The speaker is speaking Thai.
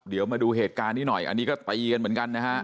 เดี๋ยวมาดูเหตุการณ์นี้หน่อยอันนี้ก็ตีกันเหมือนกันนะฮะ